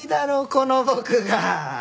この僕が。